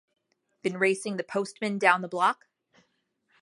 Been racing the postman down the block?